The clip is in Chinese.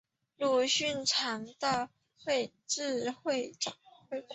鲁迅常到全浙会馆。